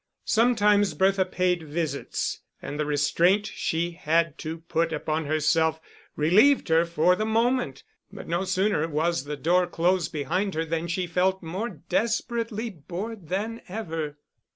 Sometimes Bertha paid visits, and the restraint she had to put upon herself relieved her for the moment, but no sooner was the door closed behind her than she felt more desperately bored than ever.